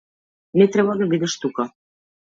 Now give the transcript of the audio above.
Не треба да бидеш тука.